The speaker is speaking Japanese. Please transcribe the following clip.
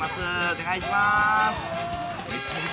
お願いします。